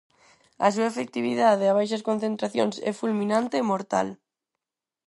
A súa efectividade a baixas concentracións é fulminante e mortal.